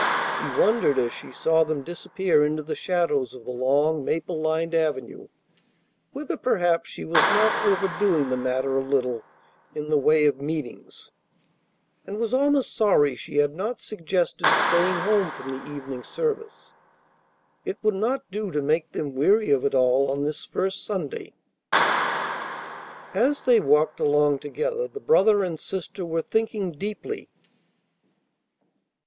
She wondered as she saw them disappear into the shadows of the long maple lined avenue whether perhaps she was not overdoing the matter a little in the way of meetings, and was almost sorry she had not suggested staying home from the evening service. It would not do to make them weary of it all on this first Sunday. As they walked along together, the brother and sister were thinking deeply.